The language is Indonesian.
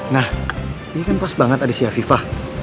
nah ini kan pas banget ada si aviva